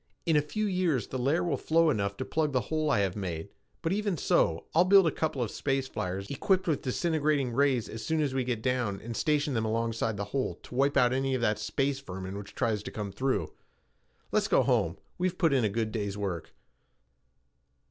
In a few years the layer will flow enough to plug the hole I have made, but even so, I'll build a couple of space flyers equipped with disintegrating rays as soon as we get down and station them alongside the hole to wipe out any of that space vermin which tries to come through. Let's go home. We've put in a good day's work."